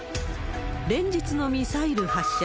連日のミサイル発射。